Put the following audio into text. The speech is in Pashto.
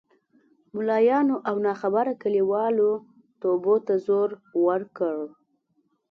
ملایانو او ناخبره کلیوالو توبو ته زور ورکړ.